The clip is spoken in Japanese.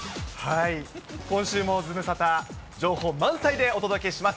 今週もズムサタ情報満載でお届けします。